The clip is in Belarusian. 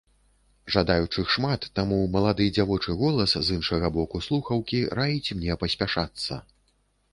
Жадаючых шмат, таму малады дзявочы голас з іншага боку слухаўкі раіць мне паспяшацца.